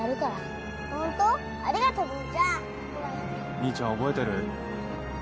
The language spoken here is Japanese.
兄ちゃん覚えてる？